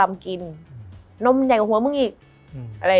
มันทำให้ชีวิตผู้มันไปไม่รอด